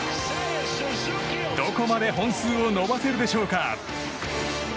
どこまで本数を伸ばせるでしょうか。